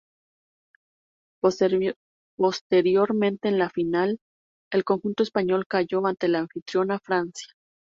Posteriormente, en la final, el conjunto español cayó ante la anfitriona Francia.